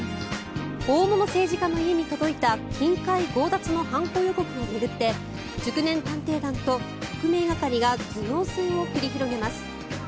大物政治家の家に届いた金塊強奪の犯行予告を巡って熟年探偵団と特命係が頭脳戦を繰り広げます。